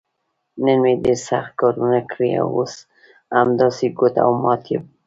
نن مې ډېر سخت کارونه کړي، اوس همداسې ګوډ او مات یم.